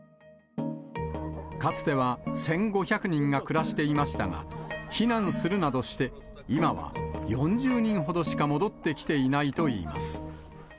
かつては１５００人が暮らしていましたが、避難するなどして、今は４０人ほどしか戻ってきていないといいます。